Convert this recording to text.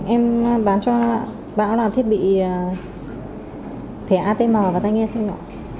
em bán cho bảo là thiết bị thẻ atm và tay nghe siêu nhỏ